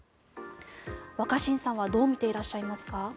若新さんはどう見ていらっしゃいますか？